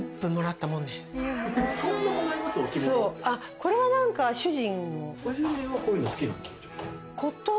これは何か主人。